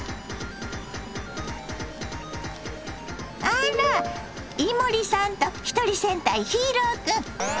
あら伊守さんとひとり戦隊ヒーロー君。